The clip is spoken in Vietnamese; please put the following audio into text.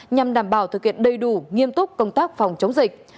nhằm đảm bảo thực hiện đầy đủ nghiêm túc công tác phòng chống dịch